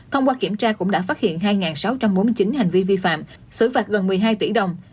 thông qua kiểm tra cũng đã phát hiện hai sáu trăm bốn mươi chín hành vi vi phạm xử phạt gần một mươi hai tỷ đồng